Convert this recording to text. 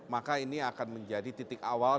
maka ini akan menjadi titik awal